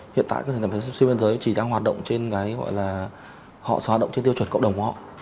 hiện tại các nền tảng xuyên biên giới chỉ đang hoạt động trên cái gọi là họ sẽ hoạt động trên tiêu chuẩn cộng đồng họ